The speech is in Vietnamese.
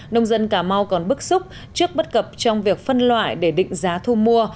nông dân cà mau còn bức xúc trước bất cập trong việc phân loại để định giá thu mua